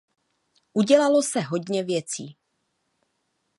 Udělalo se hodně věcí.